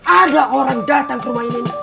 ada orang datang ke rumah ini